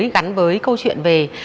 gắn với câu chuyện về